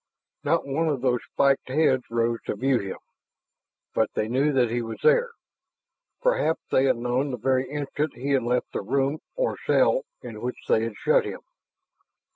Not one of those spiked heads rose to view him. But they knew that he was there; perhaps they had known the very instant he had left the room or cell in which they had shut him.